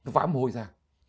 vã môi ra